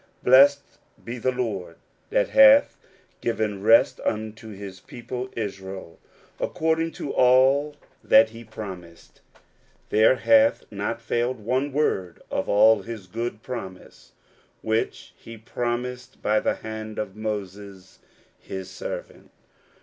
Blessed be the Lord, that hath given rest unto his peo ple Israel, according to all that he promised : there hath not failed one word of all his good promise, which he prom ised by the hand of Moses his servant."